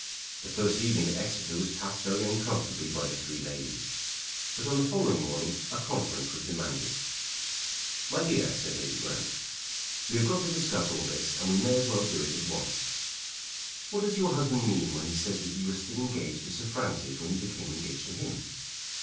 The first evening at Exeter was passed very uncomfortably by the three ladies. But on the following morning a conference was demanded. "My dear," said Lady Grant, "we have got to discuss all this and we may as well do it at once. What does your husband mean when he says that you were still engaged to Sir Francis when you became engaged to him?"